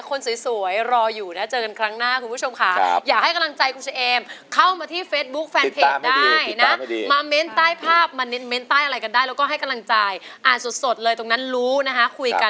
คุยกันตรงนั้นได้เลยนะคะ